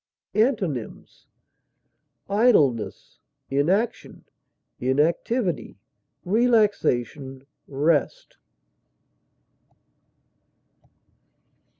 Antonyms: idleness, inaction, inactivity, relaxation, rest.